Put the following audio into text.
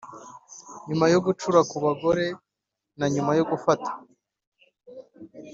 mbere yo gucura kubagore na nyuma yo gufata